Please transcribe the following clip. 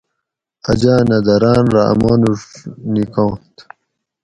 اجانہ دران رہ ا مانوڛ نِکانت